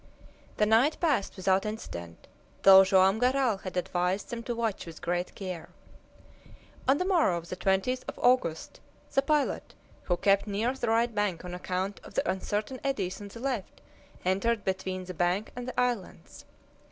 The night passed without incident, though Joam Garral had advised them to watch with great care. On the morrow, the 20th of August, the pilot, who kept near the right bank on account of the uncertain eddies on the left, entered between the bank and the islands.